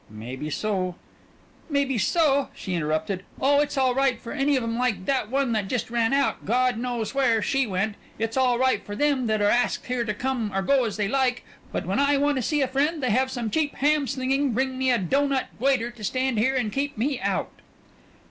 "Maybe so " "Maybe so," she interrupted. "Oh, it's all right for any of 'em like that one that just ran out God knows where she went it's all right for them that are asked here to come or go as they like but when I want to see a friend they have some cheap, ham slinging, bring me a doughnut waiter to stand here and keep me out."